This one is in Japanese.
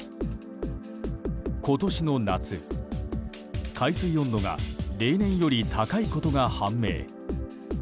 今年の夏、海水温度が例年より高いことが判明。